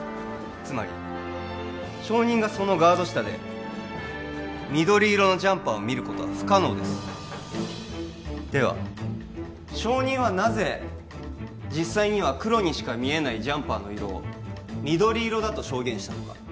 つまり証人がそのガード下で緑色のジャンパーを見ることは不可能ですでは証人はなぜ実際には黒にしか見えないジャンパーの色を緑色だと証言したのか